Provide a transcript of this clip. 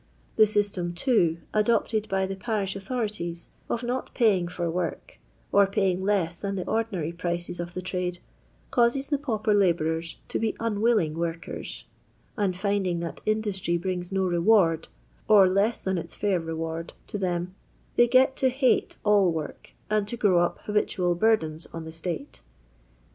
The system, too, adopted by the parish authorities of not paying for work, or paying less than the ordinary prices of the trade, causes the pauper labourers to be unwilling workers; and finding that industry brings no reward, or less than its fair reward, to them, they get to hate all work, and to stow up habitual burdens on the State.